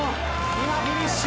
今フィニッシュ！